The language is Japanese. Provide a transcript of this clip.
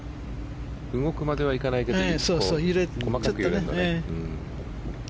動くまではいかないけど。